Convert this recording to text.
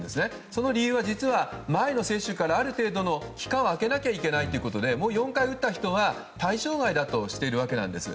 その理由は前の接種からある程度の期間を空けなければいけないということで４回打った人は対象外だとしているわけです。